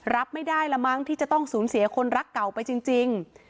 รับไม่ได้ละมั้งที่จะต้องสูญเสียคนรักเก่าไปจริง